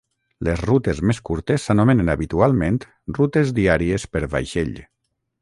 Les rutes més curtes s'anomenen habitualment rutes "diàries per vaixell".